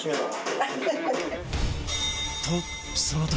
とその時！